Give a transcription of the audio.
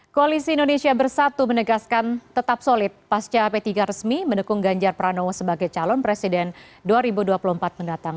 koalisi indonesia bersatu menegaskan tetap solid pasca p tiga resmi mendukung ganjar pranowo sebagai calon presiden dua ribu dua puluh empat mendatang